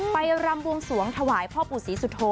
ไปรำบวงสวงหวายพ่อบุษรีสุโท